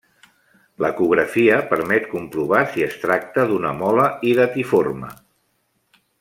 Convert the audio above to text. L'ecografia permet comprovar si es tracta d'una mola hidatiforme.